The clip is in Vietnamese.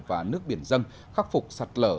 và nước biển dân khắc phục sạt lở